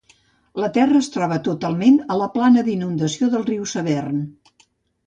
La terra es troba totalment a la plana d'inundació del riu Severn.